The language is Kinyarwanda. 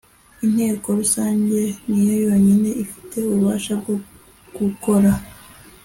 inteko rusange niyo yonyine ifite ububasha bwo gukora